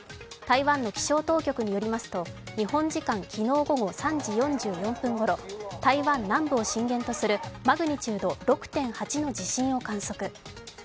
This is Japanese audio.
台湾の気象当局によりますと日本時間、昨日午後３時４４分頃台湾南部を震源とするマグニチュード６．８の地震を観測。